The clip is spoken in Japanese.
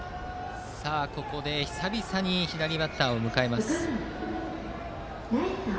ここで久々に左バッターを迎えます。